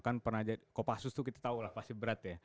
kan pernah jadi kopassus itu kita tahu lah pasti berat ya